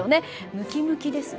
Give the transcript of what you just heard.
ムキムキですね。